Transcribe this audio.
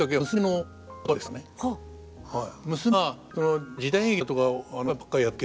はい。